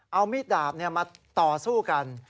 เอามีดดาบมาต่อสู้กัน